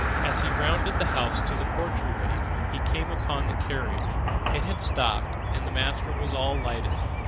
As he rounded the house to the porte cochère, he came upon the carriage. It had stopped, and the master was alighting.